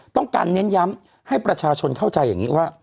เน้นย้ำให้ประชาชนเข้าใจอย่างนี้ว่า